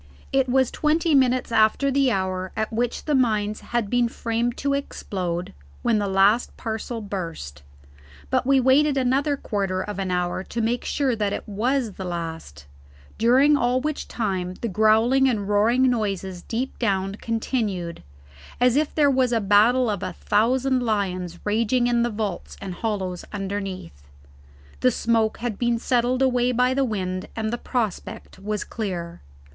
It was twenty minutes after the hour at which the mines had been framed to explode when the last parcel burst; but we waited another quarter of an hour to make sure that it was the last, during all which time the growling and roaring noises deep down continued, as if there was a battle of a thousand lions raging in the vaults and hollows underneath. The smoke had been settled away by the wind, and the prospect was clear.